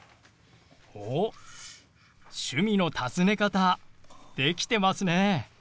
おっ趣味の尋ね方できてますね。